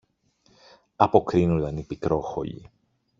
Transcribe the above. αποκρίνουνταν η Πικρόχολη.